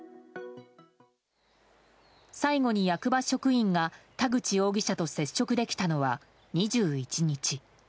最後に役場職員が田口容疑者と接触できたのは２１日。